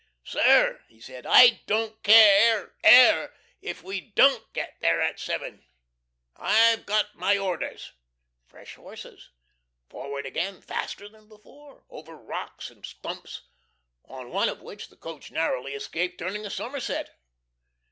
"Sir," he said, "I don't care care AIR, if we DON'T get there at seven!" "I've got my orders!" Fresh horses. Forward again, faster than before. Over rocks and stumps, on one of which the coach narrowly escaped turning a summerset.